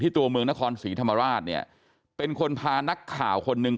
ตัวเมืองนครศรีธรรมราชเนี่ยเป็นคนพานักข่าวคนหนึ่ง